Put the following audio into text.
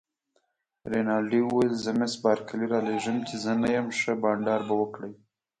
رینالډي وویل: زه مس بارکلي رالېږم، چي زه نه یم، ښه بانډار به وکړئ.